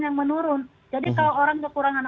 yang menurun jadi kalau orang kekurangan